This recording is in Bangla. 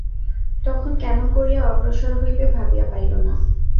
তখন, কেমন করিয়া অগ্রসর হইবে ভাবিয়া পাইল না।